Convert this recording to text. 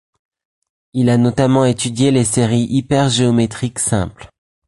Il a notamment étudié les séries hypergéométriques simples.